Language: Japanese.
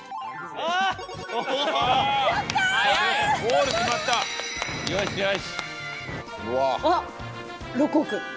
あっ６億。